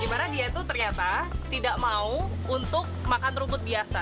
dimana dia itu ternyata tidak mau untuk makan rumput biasa